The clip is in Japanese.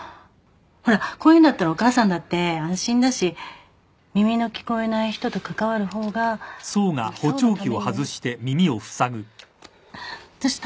ほらこういうのだったらお母さんだって安心だし耳の聞こえない人と関わる方が想のためにも。どうした？